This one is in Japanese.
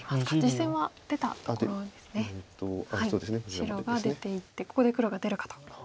白が出ていってここで黒が出るかと。